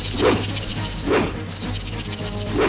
nah seratus kali gak define momento